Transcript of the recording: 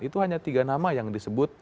itu hanya tiga nama yang disebut